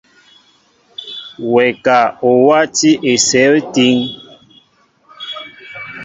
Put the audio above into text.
Wɛ ka, o wátī esew étíŋ ?